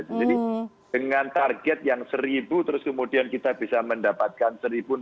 jadi dengan target yang seribu terus kemudian kita bisa mendapatkan seribu enam ratus sembilan puluh enam